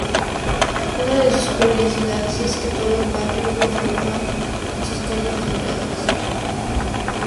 Una de sus curiosidades, es que todo el barrio lo forman sus calles numeradas.